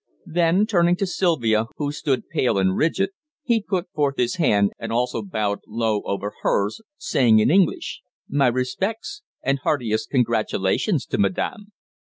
Then, turning to Sylvia, who stood pale and rigid, he put forth his hand, and also bowed low over hers, saying in English: "My respects and heartiest congratulations to madame."